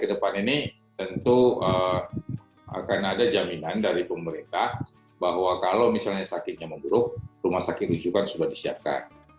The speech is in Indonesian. kedepan ini tentu akan ada jaminan dari pemerintah bahwa kalau misalnya sakitnya memburuk rumah sakit rujukan sudah disiapkan